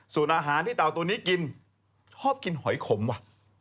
ส่วนอาหารที่เต่าตัวนี้กินชอบกินหอยขมว่ะ